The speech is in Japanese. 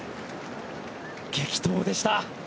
激闘でした。